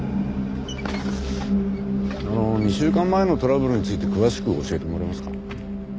あの２週間前のトラブルについて詳しく教えてもらえますか？